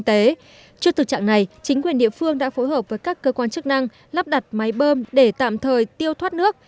trước thực trạng này chính quyền địa phương đã phối hợp với các cơ quan chức năng lắp đặt máy bơm để tạm thời tiêu thoát nước